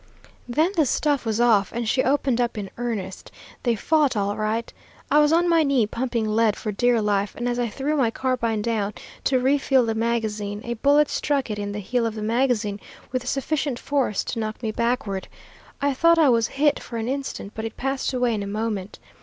"Then the stuff was off and she opened up in earnest. They fought all right. I was on my knee pumping lead for dear life, and as I threw my carbine down to refill the magazine, a bullet struck it in the heel of the magazine with sufficient force to knock me backward. I thought I was hit for an instant, but it passed away in a moment.